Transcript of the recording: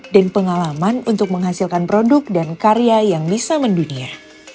dan pengalaman untuk menghasilkan produk dan karya yang bisa mendunia